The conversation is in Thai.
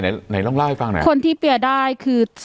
ไหนไงต้องล่าให้ฟังไหนคนที่เปียได้คือ